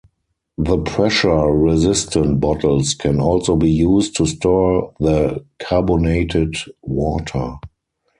The pressure resistant bottles can also be used to store the carbonated water.